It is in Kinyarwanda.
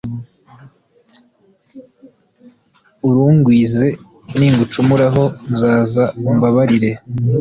urungwize; ningucumuraho, nzaza umbabarire